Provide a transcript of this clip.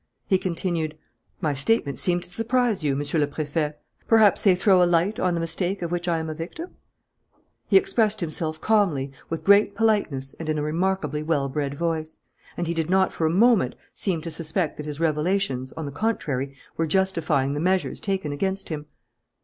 He continued: "My statements seem to surprise you, Monsieur le Préfet. Perhaps they throw a light on the mistake of which I am a victim?" He expressed himself calmly, with great politeness and in a remarkably well bred voice; and he did not for a moment seem to suspect that his revelations, on the contrary, were justifying the measures taken against him.